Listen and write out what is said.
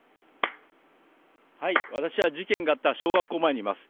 私は事件があった小学校前にいます。